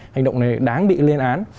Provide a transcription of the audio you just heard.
hành động này đáng bị lên án